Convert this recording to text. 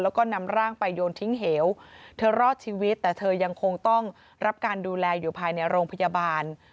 แล้วก็นำร่างไปโยนทิ้งเหวเธอรอดชีวิตแต่เธอยังคงต้องรับการดูแลอยู่ภายในโรงพยาบาล